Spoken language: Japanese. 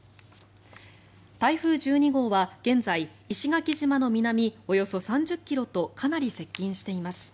台風１２号は現在石垣島の南およそ３０ｋｍとかなり接近しています。